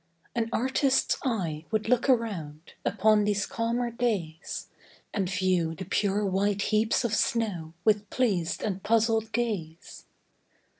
An artist's eye would look around, Upon these calmer days, And view the pure white heaps of snow, With pleas'd and puzzl'd gaze.